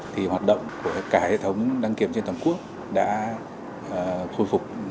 thì hoạt động của cả hệ thống đăng kiểm trên toàn quốc đã khôi phục